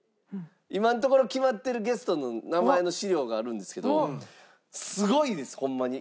今のところ決まってるゲストの名前の資料があるんですけどすごいです！ホンマに。